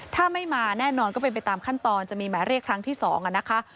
ถ้าไม่มาแน่นอนก็เป็นไปตามขั้นตอนจะมีหมายเรียกครั้งที่๒นะคะ